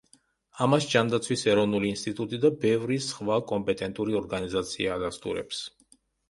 ამას, ჯანდაცვის ეროვნული ინსტიტუტი და ბევრი სხვა კომპეტენტური ორგანიზაცია ადასტურებს.